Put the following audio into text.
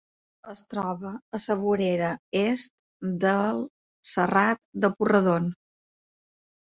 Es troba al vessant est del Serrat de Porredon.